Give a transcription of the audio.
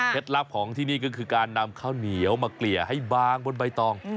ลับของที่นี่ก็คือการนำข้าวเหนียวมาเกลี่ยให้บางบนใบตอง